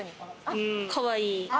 かわいい。